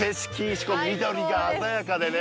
しかも緑が鮮やかでね